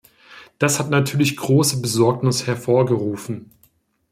Das hat natürlich große Besorgnis hervorgerufen.